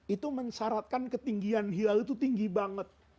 itu mensyaratkan ketinggian hilal itu tinggi banget